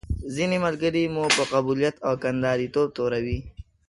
ځينې ملګري مې په قبيلويت او کنداريتوب توروي.